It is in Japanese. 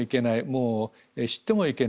もう知ってもいけない。